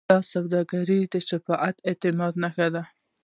د سوداګرۍ شفافیت د اعتماد نښه ده.